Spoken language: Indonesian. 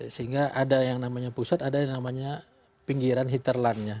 sehingga ada yang namanya pusat ada yang namanya pinggiran hitterlandnya